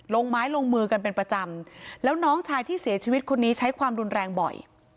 ลงไม้ลงมือกันเป็นประจำแล้วน้องชายที่เสียชีวิตคนนี้ใช้ความรุนแรงบ่อย